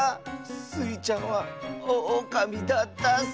スイちゃんはオオカミだったッス！